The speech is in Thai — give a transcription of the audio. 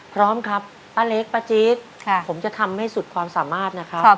พร้อมครับป้าเล็กป้าจี๊ดผมจะทำให้สุดความสามารถนะครับ